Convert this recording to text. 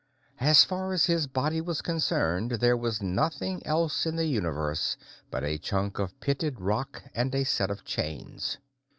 As far as his body was concerned, there was nothing else in the universe but a chunk of pitted rock and a set of chains.